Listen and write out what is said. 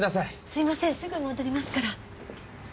すいませんすぐ戻りますから。